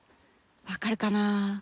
分かるかな？